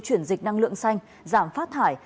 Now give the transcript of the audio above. chuyển dịch năng lượng xanh giảm phát thải